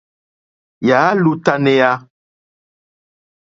Yà á !lútánéá.